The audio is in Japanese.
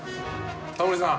タモリさん。